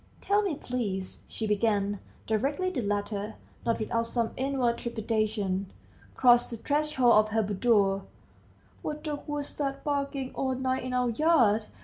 "Tell me, please," she began, directly the latter, not without some inward trepidation, crossed the threshold of her boudoir, "what dog was that barking all night in our yard?